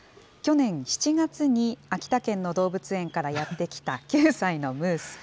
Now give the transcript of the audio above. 去年７月に秋田県の動物園からやって来た、９歳のムース。